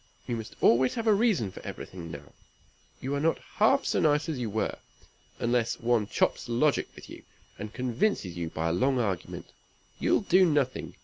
You must always have a reason for everything now. You are not half so nice as you were. Unless one chops logic with you, and convinces you by a long argument, you'll do nothing.